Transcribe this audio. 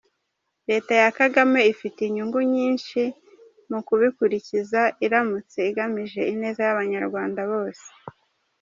Leta ya Kagame ifite inyungu nyinshi mu kubikurikiza, iramutse igamije ineza y’Abanyarwanda bose.